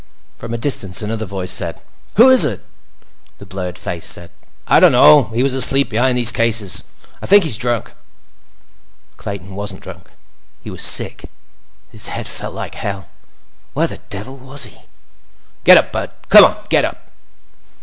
From a distance, another voice said: "Who is it?" The blurred face said: "I don't know. He was asleep behind these cases. I think he's drunk." Clayton wasn't drunk—he was sick. His head felt like hell. Where the devil was he? "Get up, bud. Come on, get up!"